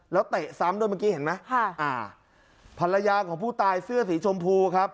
แล้วเตะซ้ำด้วยเมื่อกี้เห็นไหมค่ะอ่าภรรยาของผู้ตายเสื้อสีชมพูครับ